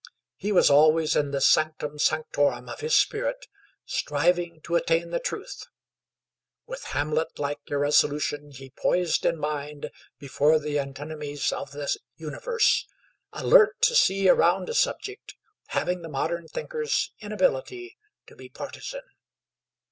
He was always in the sanctum sanctorum of his spirit, striving to attain the truth; with Hamlet like irresolution he poised in mind before the antinomies of the universe, alert to see around a subject, having the modern thinker's inability to be partisan.